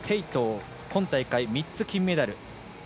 今大会、３つ金メダル。